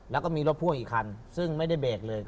แล้วก็มีรถพ่วงอีกคันซึ่งไม่ได้เบรกเลย